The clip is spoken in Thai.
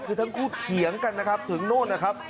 คือทั้งคู่เถียงกันนะครับถึงนู่นนะครับ